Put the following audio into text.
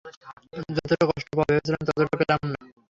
যতটা কষ্ট পাব ভেবেছিলাম ততটা পেলাম না।